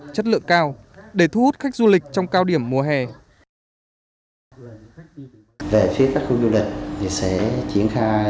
chất lượng cao để thu hút khách du lịch trong cao điểm mùa hè